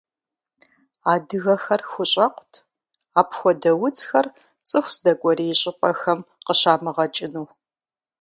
Адыгэхэр хущӏэкъут апхуэдэ удзхэр цӏыху здэкӏуэрей щӏыпӏэхэм къыщамыгъэкӏыну.